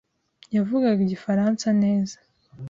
yavugaga Igifaransa neza.